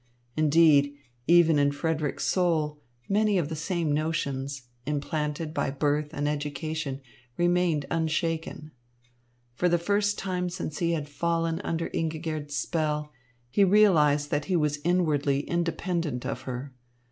Indeed, even in Frederick's soul, many of the same notions, implanted by birth and education, remained unshaken. For the first time since he had fallen under Ingigerd's spell, he realised that he was inwardly independent of her.